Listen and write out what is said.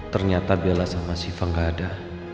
ternyata bella sama siva gak ada